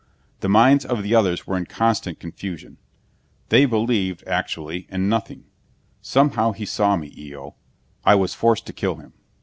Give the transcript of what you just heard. The minds of the others were in constant confusion. They believed, actually, in nothing. Somehow, he saw me, Eo. I was forced to kill him."